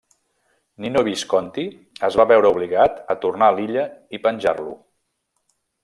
Nino Visconti es va veure obligat a tornar a l'illa i penjar-lo.